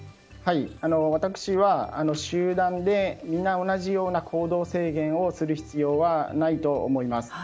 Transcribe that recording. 私は集団で皆同じような行動制限をする必要はないと思います。